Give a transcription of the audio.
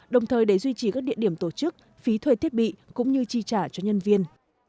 đồng thời để duy trì các địa điểm tổ chức phí thuê thiết bị cũng như chi trả cho nhân viên